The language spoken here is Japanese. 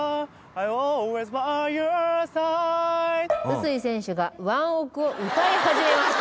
「薄井選手がワンオクを歌い始めました！！」